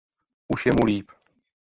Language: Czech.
Už je mu líp.